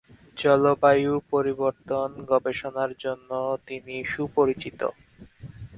জলবায়ু পরিবর্তন গবেষণার জন্য তিনি সুপরিচিত।